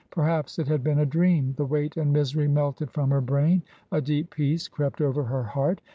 Perhaps it had been a dream. The weight and misery melted from her brain, a deep peace crept over her heart.